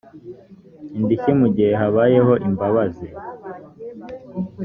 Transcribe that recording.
indishyi mu gihe habayeho imbabazi